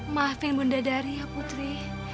maafin bunda dari putri